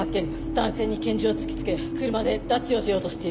男性に拳銃を突き付け車で拉致をしようとしている。